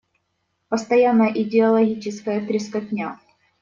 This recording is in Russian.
Постоянная идеологическая трескотня.